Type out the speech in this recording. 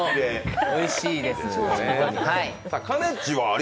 おいしいです。